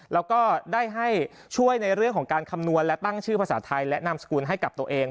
แล้วก็ได้ให้ช่วยในเรื่องของการคำนวณและตั้งชื่อภาษาไทยและนามสกุลให้กับตัวเอง